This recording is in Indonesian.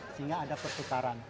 sehingga ada pertukaran